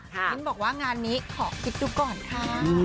มิ้นบอกว่างานนี้ขอคิดดูก่อนค่ะ